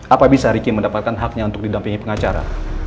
apa bisa riki mendapatkan haknya untuk didampingi pengacara